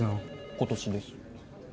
今年です。